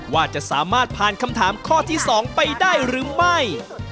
ว่าจะสามารถผ่านคำถามข้อที่๒ไปได้หรือไม่